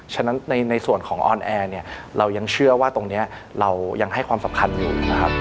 ฉะนั้นในส่วนของออนแอร์เนี่ยเรายังเชื่อว่าตรงนี้เรายังให้ความสำคัญอยู่นะครับ